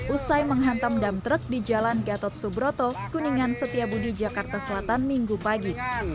usai menghantam dam truk di jalan gatot subroto kuningan setiabudi jakarta selatan minggu pagi